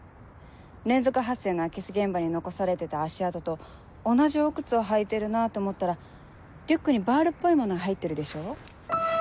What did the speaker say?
連続発生の空き巣現場に残されてた足跡と同じお靴を履いているなぁと思ったらリュックにバールっぽいものが入ってるでしょ？